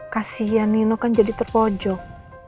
kasian nino kan jadi terpojok